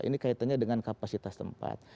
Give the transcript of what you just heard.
ini kaitannya dengan kapasitas tempat